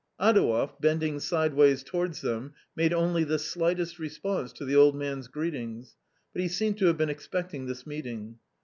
AdoueY, bending sideways towards them, made only the slightest response to the old man's greetings, but he seemed to have been expecting this meeting.